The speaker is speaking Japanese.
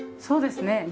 そうですね。